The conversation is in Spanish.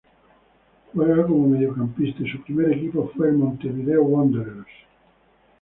Juega como mediocampista y su primer equipo fue Montevideo Wanderers.